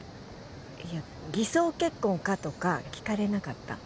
「偽装結婚か」とか聞かれなかった？